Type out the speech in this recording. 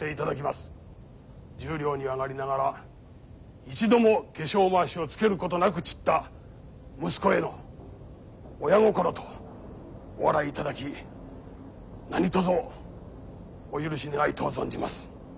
十両に上がりながら一度も化粧まわしをつけることなく散った息子への親心とお笑いいただき何とぞお許し願いとう存じます。